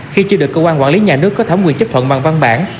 khi chưa được cơ quan quản lý nhà nước có thẩm quyền chấp thuận bằng văn bản